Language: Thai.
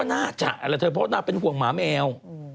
น่าจะอะไรเธอเพราะนางเป็นห่วงหมาแมว